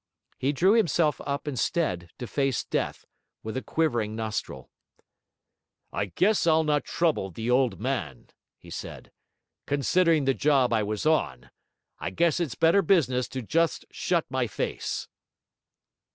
He drew himself up instead to face death, with a quivering nostril. 'I guess I'll not trouble the Old Man,' he said; 'considering the job I was on, I guess it's better business to just shut my face.'